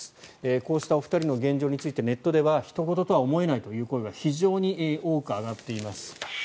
こうしたお二人の現状についてネットではひと事とは思えないという声が非常に多く上がっています。